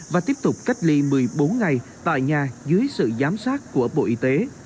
và tiếp tục cách ly một mươi bốn ngày tại nhà dưới sự giám sát của bộ y tế